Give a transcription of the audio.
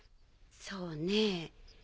そうねぇ。